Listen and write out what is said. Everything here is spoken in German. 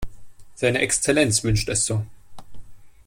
Seine Exzellenz wünscht es so.